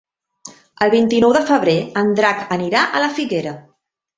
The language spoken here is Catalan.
El vint-i-nou de febrer en Drac anirà a la Figuera.